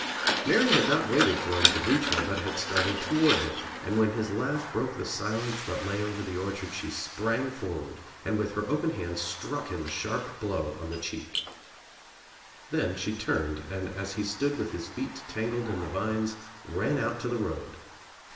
Mary had not waited for him to reach her but had started toward him, and when his laugh J)roke the silence that lay over the orchard she sprang brward and with her open hand struck him a sharp 76 THE TRIUMPH OF THE EGG blow on the cheek. Then she turned and as he stood with his feet tangled in the vines ran^out to the road.